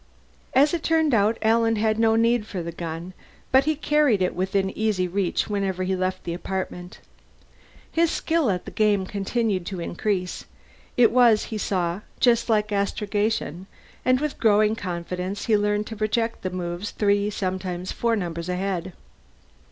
As it turned out, Alan had no need for the gun, but he carried it within easy reach whenever he left the apartment. His skill at the game continued to increase; it was, he saw, just like astrogation, and with growing confidence he learned to project his moves three and sometimes four numbers ahead.